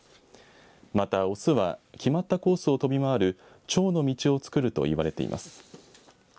また、オスは決まったコースを飛び回るチョウの道を作ると呼ばれています。